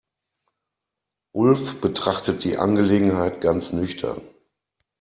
Ulf betrachtet die Angelegenheit ganz nüchtern.